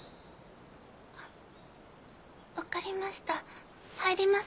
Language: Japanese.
わかりました入ります。